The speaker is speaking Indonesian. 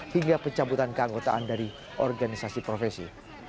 hingga pencabutan keanggotaan dari organisasi profesi